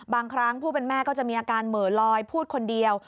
บางครั้งผู้เป็นแม่ก็จะมีอาการเหมือลอยพูดคนเดียว